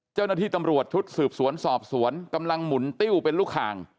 เจ้าหน้าที่ตำรวจชุดสืบสวนสอบสวนกำลังหมุนติ้วเป็นลูกคาง